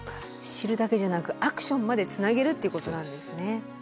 知るだけじゃなくアクションまでつなげるっていうことなんですね。